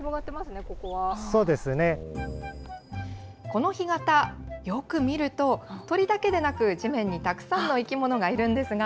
この干潟、よく見ると、鳥だけでなく、地面にたくさんの生き物がいるんですが。